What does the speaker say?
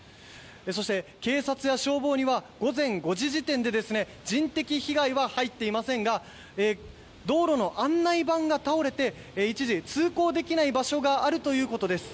そして、警察や消防には午前５時時点では人的被害は入っていませんが道路の案内板が倒れて一時、通行できない場所があるということです。